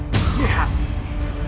dasar pengkhianat kamu dadung